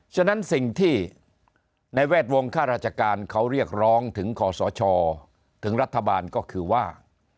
ฉะนั้นสิ่งที่ในแวดวงข้าราชการเขาเรียกร้องถึงขอสชถึงรัฐบาลก็คือว่า